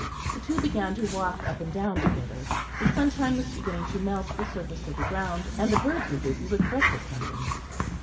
The two began to walk up and down together. The sunshine was beginning to melt the surface of the ground, and the birds were busy with breakfast hunting.